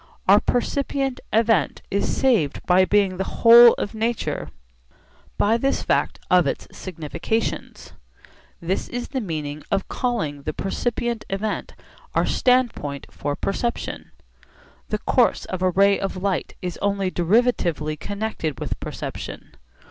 Our percipient event is saved by being the whole of nature by this fact of its significations. This is the meaning of calling the percipient event our standpoint for perception. The course of a ray of light is only derivatively connected with perception.